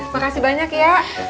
makasih banyak ya